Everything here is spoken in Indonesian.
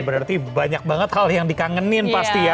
berarti banyak banget hal yang dikangenin pasti ya